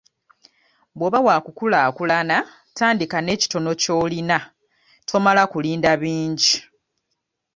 Bw'oba wakukulaakulana tandika n'ekitono ky'oyina tomala kulinda bingi.